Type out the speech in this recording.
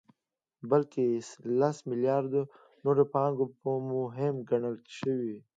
بلکې لس مليارده نوره پانګه مو هم کنګل شوه